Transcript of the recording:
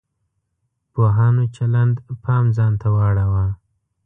پوهانو چلند پام ځان ته واړاوه.